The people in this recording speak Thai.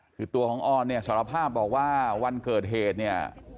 คือตัวของออนเนี่ยสารภาพบอกว่าวันเกิดเหตุเนี่ย